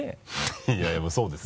いやいやまぁそうですよ。